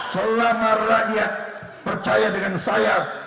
selama rakyat percaya dengan saya